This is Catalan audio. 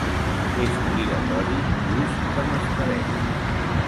És obligatori l'ús de mascareta.